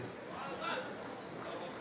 nikmal maulahu ni'mal nasir